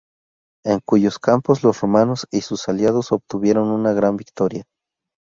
En cuyos campos los romanos y sus aliados obtuvieron una gran victoria.